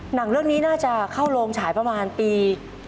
หนังเรื่องนี้น่าจะเข้าโรงฉายประมาณปี